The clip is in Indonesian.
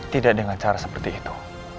tidak dengan cara seperti itu